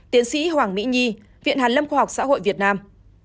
tiến sĩ hoàng mỹ nhi viện hàn lâm khoa học xã hội việt nam